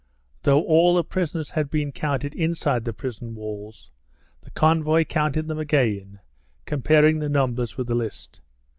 Though all the prisoners had been counted inside the prison walls, the convoy counted them again, comparing the numbers with the list.